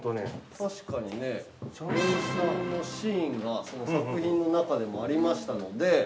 ◆確かにね、演奏のシーンが作品の中でもありましたので。